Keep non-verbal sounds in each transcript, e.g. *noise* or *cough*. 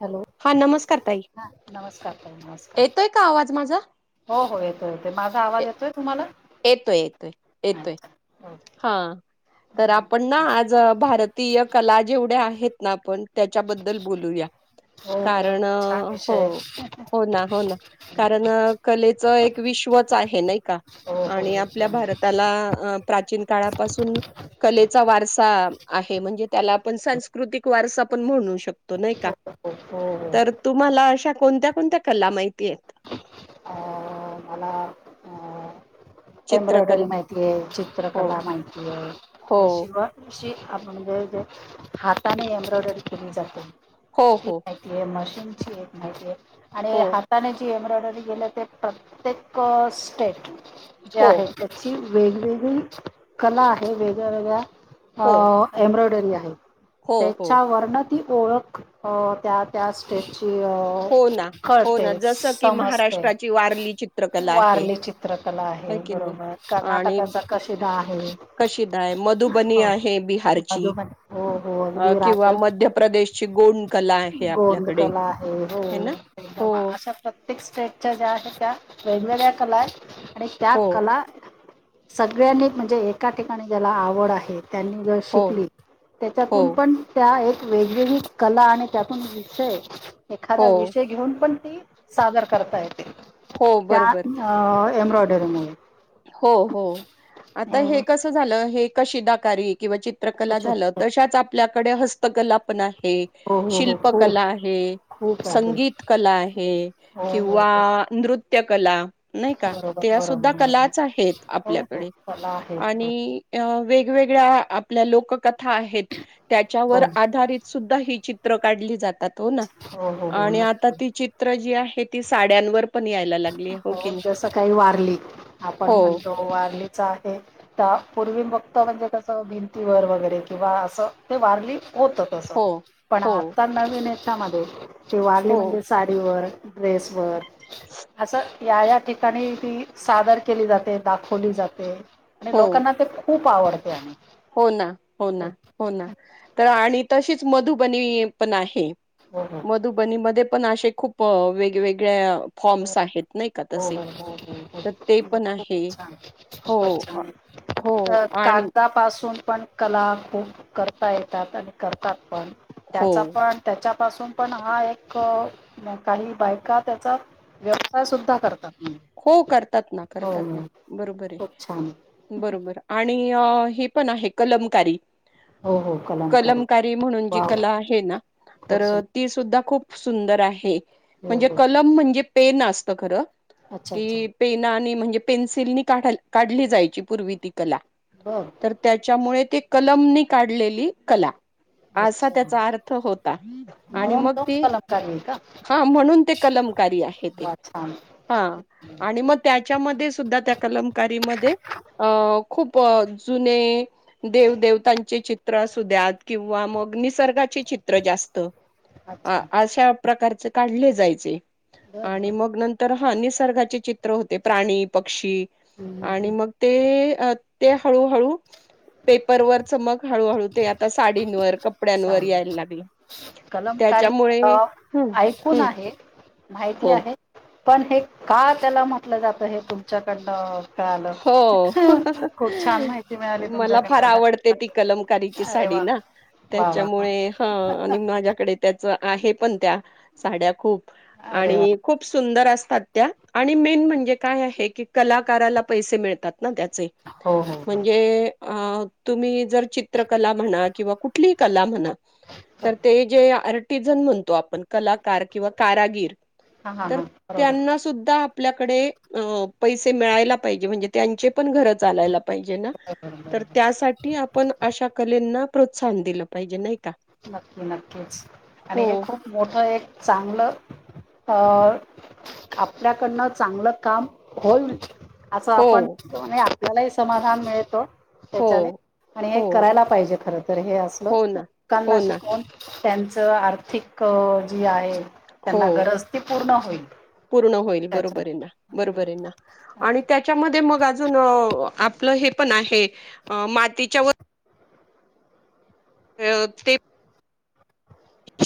Hello हा नमस्कार ताई हा नमस्कार ताई नमस्कार येतोय का आवाज माझा हो हो येतो येत माझा आवाज येतोय तुम्हाला येतोय येतोय येतोय अचछ हा तर आपण ना आज भारतीय कला जेवढ्या आहेत ना आपण त्याच्याबद्दल बोलूया हो हो हो कारण छान हो विषय हो ना हो ना कारण कलेच एक विश्वच आहे नाही का हो हो आणि आपल्या एकदम भारताला अ प्राचीन काळापासून कलेचा वारसा आहे म्हणजे त्याला आपण सांस्कृतिक वारसा पण म्हणू शकतो नाही का हो हो हो हो तर तुम्हाला अशा कोणत्या कोणत्या कला माहिती आहेत मला एम्ब्रॉयडरी चित्रकला माहितीय हो चित्रकला माहिती आहे हो शिवाय अ म्हणजे जे हाताने एम्ब्रॉयडरी केली हो, हो, जाते मशीनची एक माहितीे आणि हो, हात त्याने जी एम्ब्रॉयडरी केली ते प्रत्येक स्टेट जे हो, आहे त्याची वेगवेगळी कला आहे वेगळ्या वेगळ्या हो, अ एम्ब्रॉयडरी आहे हो, हो, त्याच्या वर्ण ती ओळख त्या त्या हो ना, स्टेजची हो ना. कळते जसं की समजते महाराष्ट्राची वारली चित्रकला आहे, वारली चित्रकला आहे. की नाही? बरोबर आणि कर्नाटकाचा *unintelligible* आहे. कशिदा आहे, मधुबनी हो आहे बिहारची मधुण हो हो अ, अगदी रात किंवा मध्य प्रदेशची गोंड कला आहे आपल्याकडे, गोंदकला आहे हो है ना? हो, अशा प्रत्येक स्टेटच्या ज्या आहेत त्या वेगवेगळ्या कला आहेत आणि त्या हो, कला सगळ्यांनी म्हणजे एका ठिकाणी ज्याला आवड आहे त्यांनी जर हो, शिकली हो, त्याच्यातून पण त्या एक वेगवेगळी कला आणि त्यातून विषय हो, एखादा विषय घेऊन पण ती सादर करता येते हो, त्या बरोबर. एम्ब्रॉयडरी मु हो हो आता हे कसं झालं हे कशी दकारी किंवा चित चित्रकला झालं शक्य तशाच आपल्याकडे हस्तकला पण आहे. हो हो हो शिल्पकला खूप आहे खूप आहे संगीत कला आहे हो हो किंवा हो नृत्य कला नाही का बरोबर त्या बरोबर सुद्धा कला बरोबर हो हो आपल्याकडे कला आहेत आणि वेगगळ्या आपल्या लोककथा आहेत त्याच्यावर हो आधारित सुद्धा ही चित्र काढली जातात हो ना हो हो हो आणि आता नक्की ती चित च्र जी आहे ती साड्यांवर पण यायला लागते हो जसं काही वारली आपण हो म्हणतो वारलीच आहे त्या पूर्वी फक्त म्हणजे कसं भिंतीवरर वगैरे किंवा असं ते वारली होतच. तस हो पण हो आता नवीन याच्यामध्ये जी वाारली हो म्हणजे साडीवर ड्रेसवर असं या या ठिकाणी ती सादर केली जाते दाखवली जाते. आणि हो लोकांना ते खूप आवडते आणि हो ना हो ना खूप. हो ना तर आणि तशीच मधुबनी पण आहे. हो हो मधुबनी मध्ये पण असे खूप वेगवेगळ्या फॉर्म्स हो आहेत नाही का हो तसे हो हो तर ते हो पण खूप आहे हो. हो आणि कागदा पासून पण कला खूप करता येतात आणि करतात पण हो त्याचा पण त्याच्यापासून पण हा एक काही बायका त्याचा व्यवसाय सुद्धा करतात म्हणजे. हो करतात ना हो करतात ना हो बरोबर खूप छान आहे बरोबर. आणि हे पण आहे कलमकारी. हो हो कलमकारी म्हणून जी वा वा कला आहे ना खूप तर. सुंदर ती सुद्धा खूप सुंदर आहे हो म्हणजे हो कलम म्हणजे पेन असत खरं. अच्छा अच्छा कि पेनानी म्हणजे पेन्सिल काढली जायची पूर्वी ती कला हा. तर त्याच्यामुळे ते कलमनी काढलेली कला. असा अच्छा त्याचा अर्थ होता आणि म्हणून मग तो ती कलमकारी आहे का हा म्हणून ते कलमकारी आहे ते वा! छान! हा आणि मग त्याच्यामध्ये सुद्धा त्या कलमकारीमध्ये. अ खूप जुने देव देवतांचे चित्र असु द्यात किंवा मग निसर्गाचे चित्र जास्त अच्छा अशा प्रकारचे काढले जायचे. बर आणि बर मग नंतर हा निसर्गाचे चित्र होते प्राणी. पक्षी हम्म हम्म आणि हम्म. मग ते ते हळूहळू पेपरवर च मग हळूहळू ते आता साडींवर कपड्यांवर चालेल यायला लागलं. कलमकारी त्याच्यामुळे हम्म ऐकून हम्म आहे माहिती हो आहे. पण हे का त्याला म्हटलं जात हे तुमच्याकडन- लं हो. खूप छान माहिती मिळाली तुमच्याकड ते ती कलमकारीची साडी ना वा वा त्याच्यामुळे हा आणि माझ्याकडे त्याच आहे पण त्या साड्या खूप अरे वा आणि खूप सुंदर असतात त्या आणि मेन म्हणजे काय आहे की कलाकाराला पैसे मिळतात ना त्यात हो हो हो म्हणजे अ तुम्ही जर चित्रकला म्हणा किंवा कुठलीही कला म्हणा तर ते जे आर्टिझन म्हणतो आपण कलाकार किंवा कारागीर हा हा तर हा बरोबर त्यांना सुद्धा आपल्याकडे पैसे मिळायला पाहिजे म्हणजे त्यांचे पण घर चालायला पाहिजे ना बरोबर तर बरोबर त्यासाठी, पण अशा कलेंना प्रोत्साहन दिलं पाहिजे नाही का. नक्की नक्कीच हो, आणि हे खूप, मोठं एक चांगलं आपल्याकडनं चांगलं काम होईल. असं आपण हो, म्हज आपल्यालाही समाधान मिळतो. हो, त्याच्याने आणि हे हो, करायला पाहिजे खर तर हे असलं. हो ना, कांना हो ना, शिकून त्यांचं आर्थिक जी आहे हो. त्यांना गरज ते पूर्ण होईल. पूर्ण होईल त्याच्यात बरोबर आहे ना बरोबर आहे ना आणि त्या त्याचा मध्ये अजून आपलं हे पण आहे मातीच्या अ ते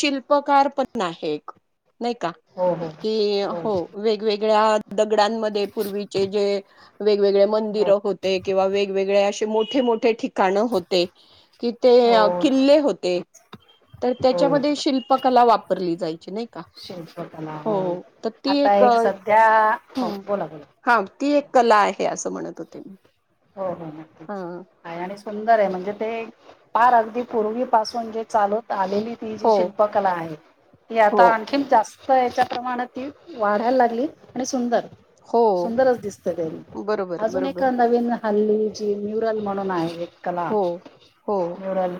शिल्पकार पण आहे नाही का? हो हो की हो, वेगवेगळ्या दगडांमध्ये पूर्वीचे जे वेगवेगळे मंदिर हो होते किंवा वेगवेगळे असे मोठे मोठे ठिका काणं होते तिथे हो किल्ले होते. तर हो त्याच्यामध्ये शिल्पकला वापरली जाई ची नाही का शिल्पकला हो तर ती एक त्या हं बोला बोला हा ती एक कला आहे असं म्हणत होते मी हो हो हा नक्कीच आहे आणि सुंदर आहे म्हणजे ते पार अगदी पूर्वी पाासून जे चालत आलेली ती जी हो शिल्पकला आहे ती हो आता आण खिन जास्त याच्या प्रमाणात ती वाढायला लागली आणि सुंदर हो सुंदरच दिसतं ते बरोबर अजून एक बरोबर नवीन हल्ली ती न्यूरल म्हणून आहे एक कला हो हो न्युरल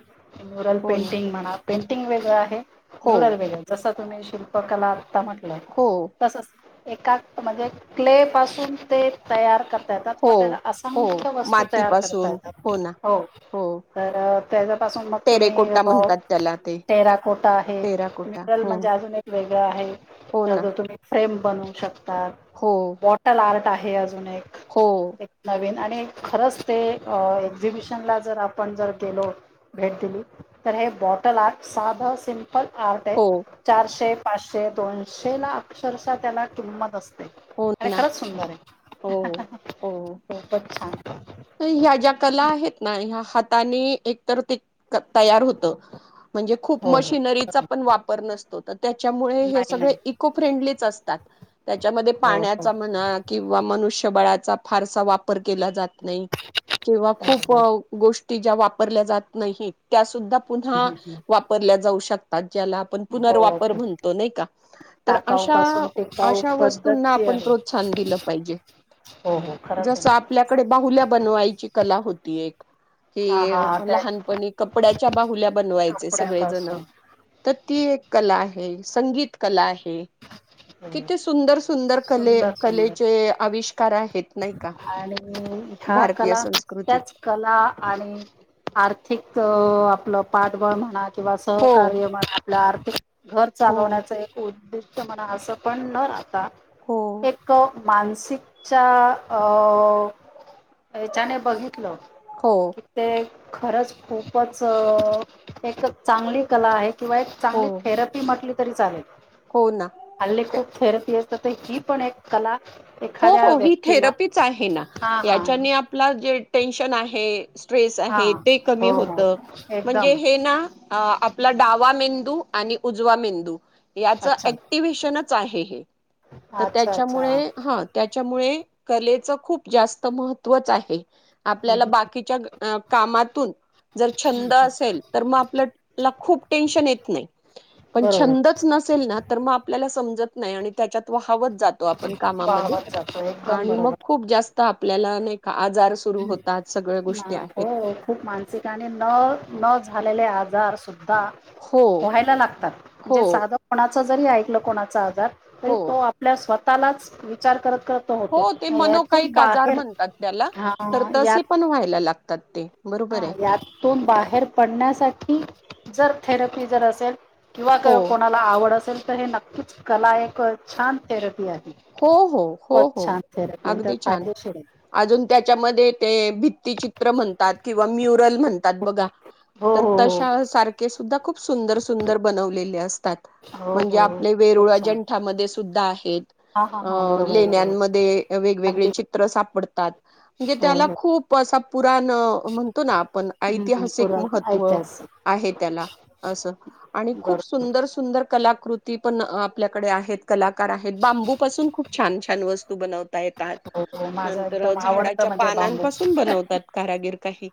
न्यूरल हो ना पेंटिंग म्हणा पेंटिंग वेगळं आहे हो म्युरल वेगळं जसं तुम्ही शिल्पकला आत्ता म्हटलं हो तसंच एका म्हणजे क्लेपासून ते तयार करता येतात मग हो त्याला अस हो संख्य वस्तू तयार करता मातीपासून येतात ना हो हो तर त्याच्यापासून मग तुम्ही टेरेकोटा म्हणतात त्याला ते टेरा कोटा आहे टेराकोटा मिनल हो म्हणजे अजून एक वेगळं आहे हो ना त्याच तुम्ही सेम बनवू शकताात हो बॉटल आर्ट आहे अजून एक हो एक नवीन आणि खरंच ते एक्झिबिशनला जर आपण जर गेलो भेट दिली तर हे बॉटल आ साधं सिंप पण आर्ट आहे हो चारशे पाचशे दोनशे ला अक्षरशः त्याला किंमत असते हो अ ना खरंच सुंदर हो आहे हो खूपच छान ह्या ज्या कला आहेत ना ह्या हाताने एकतर ते तयार होतं म्हणजे खूप हो हो मशी नरीचा पण वापर नस तो त्याच्यामुळे हे नाही सगळे नाही इको फ्रेंडलीच असतात त्याच्यामध्ये हो हो पाण्याचा म्हणा किंवा मनुष्यबळाचा फारसा वापर केला जात नाही किंवा खूप हो गोष्टी ज्या वापरल्या जात नाही त्या सुद्धा पुन्हा हो वापरल्या जाऊ शक ता ज्याला आपण हो पुनर्वापर ओके म्हणतो नाही का तर टाकाऊ अशा पासून टिकाऊ अशा वस्तूंना पद्धत जी आपण आहे प्रोत त्साहन दिलं पाहिजे हो हो खरंच हे जसं आपल्याकडे बाहुल्या बनवायची कला होती एक हा कि हा त्या लहानपणी कपड्याच्या बाहुल्या बनवायचे सगळेजणं कपड्यापासून तर ती एक कला आहे संगीत कला आहे हम्म. तिथे सुंदर सुंदर कले सुंदर सुंदर कलेचे आविष्कार आहेत नाही का अ हा भारतीय कला संस्कृतीत त्याच कला आणि आर्थिक आपलं पाठबळ म्हणा किंवा हो सहकार्य म्हना आपल्या आर्थिक घर हो चालवण्याच एक उद्देष ष्ट म्हणा असं पण न राहता हो एक मानसिकच्या अ च्याने बघितलं हो ते खरंच खूपच एक चांगली कला आहे किंवा एक हो चांगली थेरपी म्हटली तरी चालेल हो ना हल्ली ते- खूप थेरपी असते तर ही पण एक कला हो एखाद्या हो ही व्यक्तीला थेरपीच आहे ना हा हा याच्या ने आपला जे टेन्शन आहे स्ट्रेस हा आहे ते कमी हो हो होतं म्हणजे एकदम हे ना अ आपला डावा मेंदू आणि उजवा मेंदू याचं अच्छा ऍक्टिव्हेशनच आहे हे तर अच्छा त्याच्यामुळे अच्छा हं.. त्याच्यामुळे कलेचं खूप जास्त महत्वच आहे आपल्याला बाकीच्या कामातून जर छंद असेल... तर मग आपल्याला खूप टेन्शन येत नाई पण बरोबर छंदच नसेल ना... तर मग आपल्याला समजत नाई आणि त्याच्यात वहावत जातो आप कामामध्ये वाहवत जातो एकदम आणि मग बरोबर खूप जास्त तर आपल्याला नाई का, आजार सुरू होतात, सगळ्या गोष्टी आहेत हो खूप मानसिक आणि न... न झालेले आजार सुद्धा हो, व्हायला लागतात... हो, म्हणजे साधं कोणाचं जरी ऐकलं कोणाचा आजार, तरी हो, तो आप आपल्या स्वतःलाच विचार करत करत तो हो... होतो ते यातून मनोकाइक आजार बाहेर म्हणतात त्याला... हा तर तसे यात पण व्हायला लागतात ते बरोबर हा आहे. यातून बाहेर पडण्यासाठी जर थेरपी... जर असेल किंवा हो, कोणाला आवड असेल, तर हे नक्कीच, कला एक छान थेरपी आहे हो... हो... हो खूपच हो... छान थेरपी आणि त्या अगदी छान फायदेशीर आहे अजून त्याच्यामध्ये ते भित्तीचित्र म्हणतात किंवा म्युरल म्हण बघा... हो तर हो हो तशा सारखे सुद्धा, खूप सुंदर, सुंदर बनवलेले असतात हो म्हणजे हो हो आपले वेरुळ खूपच छान अजंठामध्ये सुद्धा आहेत हा हा अ... हा बरोबर बरोबर लेण्यांमध्ये वेगवेगळे अगदी चित्र सापडतात, म्हणजे हो त्याला हो खूप असा पुराण... म्हणतो ना... आपण ऐतिहासिक पूर्ण महत्त्व ऐतिहासिक आहे त्याला... असं आणि बरोबर खूप सुंदर, सुंदर कलाकृती पण आपल्याकडे आहेत, कलाकार आहेत बांबूपासून खूप छान छान वस्तू बनव येतात, हो हो माझं नंतर एकदम आवडतं झाडाच्या म्हणजे बांबू पानांपासून बनवतात, कारागिर काही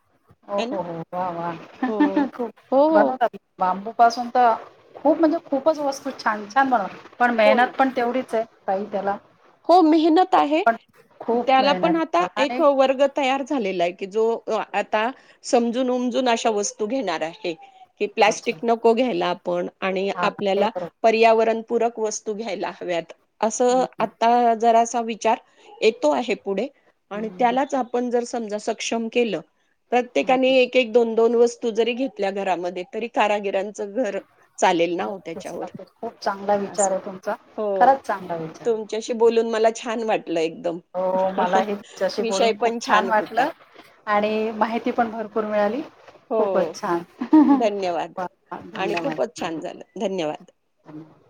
हो है ना हो, वा वा.. हं हो हं हं खूप हो हो बनवतात बांबू पासून तर... खूप म्हणजे खूपच वस्तू छान छान बनवता पण हो ना मेहनत पण तेवढीच ए... ताई त्याला हो... मेहनत आहे. पण खूप त्याला पण मेहनत आता त्याला एक आणि वर्ग तयार झालेला ए की जो अ... आता समजून उमजून अशा वस्तू घेणार आहे कि अच्छा प्लास्टिक नको घ्यायला आपण, आणि हा ते आपल्याला बरोबर पर्यावरणपूरक वस्तू घ्यायला हव्यात, असं हम्म आत्ता असा विचार येतो आहे पुढे, हम्म आणि हम्म त्यालाच आपण जर समजा सक्षम केलं तर हम्म, प्रत्येकाने एक- एक, दोन- दोन वस्तू जरी घेतल्या घरामध्ये तरी कारागिरां नक्कीच... नक्कीच खूप चांगला असं विचार ए तुमचा, हो खराच चांगला विचार तुमच्याशी बोलून मला छान वाटलं एकदम हो मलाही तुमच्याशी विषय बोलून खूप पण छान होता. वाटलं आणि माहिती पण भरपूर मिळाली हो खूपच छान... हं... धन्यवाद हं... *unintelligible* आणि खूपच छान धन्यवाद झालं धन्यवाद. *unintelligible*